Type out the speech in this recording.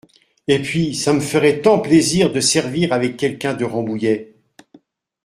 Et puis, ça me ferait tant plaisir de servir avec quelqu’un de Rambouillet…